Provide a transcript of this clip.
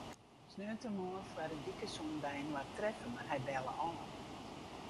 Sneontemoarn foar in wike soene wy inoar treffe, mar hy belle ôf.